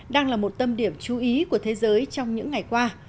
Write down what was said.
đang là một tâm điểm chú ý của thế giới trong những ngày qua